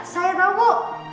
saya tahu bu